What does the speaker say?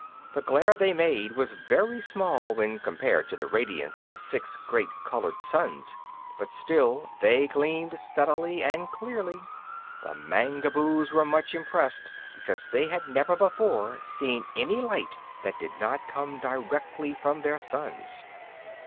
The glare they made was very small when compared with the radiance of the six great colored suns; but still they gleamed steadily and clearly. The Mangaboos were much impressed because they had never before seen any light that did not come directly from their suns.